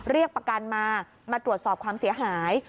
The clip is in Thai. เรียกประกันมามาตรวจสอบความเสียหาย